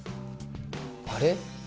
あれ？